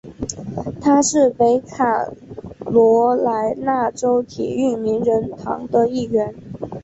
他是北卡罗来纳州体育名人堂的一员。